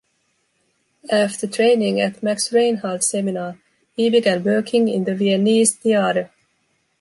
After training at Max Reinhardt Seminar, he began working in the Viennese theatre.